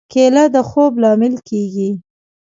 کېله د خوب لامل کېږي.